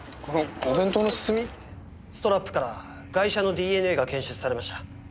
ストラップからガイ者のＤＮＡが検出されました。